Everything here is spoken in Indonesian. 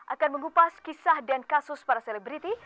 akan mengupas kisah dan kasus para selebriti